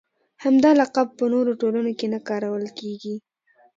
همدا لقب علامه په نورو ټولنو کې نه کارول کېږي.